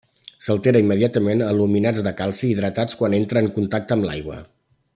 S'altera immediatament a aluminats de calci hidratats quan entra en contacte amb l'aigua.